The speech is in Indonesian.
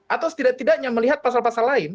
atau setidak tidaknya melihat pasal pasal lain